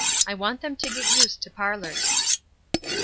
"I WANT THEM TO GET USED TO PARLORS."